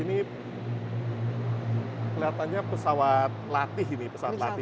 ini kelihatannya pesawat latih ini pesawat latih